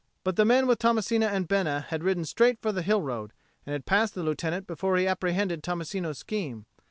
But the men with Tommasino and Bena had ridden straight for the hill road, and had passed the Lieutenant before he apprehended Tommasino's scheme.